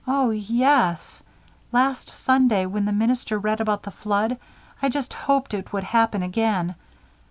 "Oh, yes. Last Sunday, when the minister read about the Flood I just hoped it would happen again.